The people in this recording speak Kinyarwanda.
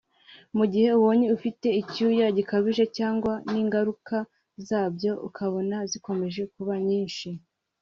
Mu gihe ubonye ufite icyuya gikabije cyangwa n’ingaruka zabyo ukabona zikomeje kuba nyinshi